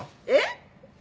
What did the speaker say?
えっ？